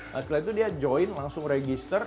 nah setelah itu dia join langsung register